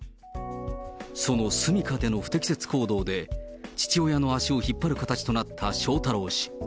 その住みかでの不適切行動で、父親の足を引っ張る形となった翔太郎氏。